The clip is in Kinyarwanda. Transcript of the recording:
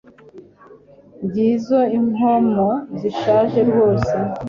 ngizo inkomo zishamaje rwose